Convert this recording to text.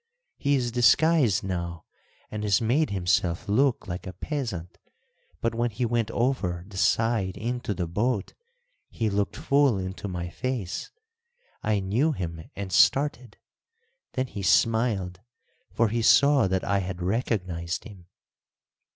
He is disguised now and has made himself look like a peasant, but when he went over the side into the boat he looked full into my face; I knew him and started, then he smiled, for he saw that I had recognised him."